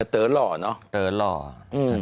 เตอร์หล่อเนาะ